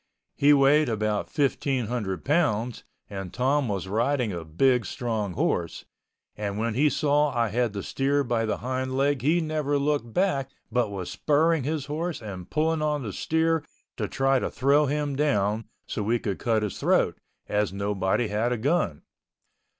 He weighed about 1,500 pounds and Tom was riding a big strong horse, and when he saw I had the steer by the hind leg he never looked back but was spurring his horse and pulling on the steer to try to throw him down so we could cut his throat, as nobody had a gun.